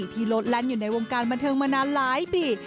ที่ลดแลนด์อยู่ในวงการบันเทิงมานานหลายปี